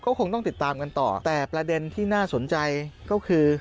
คงต้องติดตามกันต่อแต่ประเด็นที่น่าสนใจก็คือ